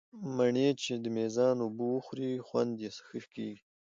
مڼې چې د مېزان اوبه وخوري، خوند یې ښه کېږي.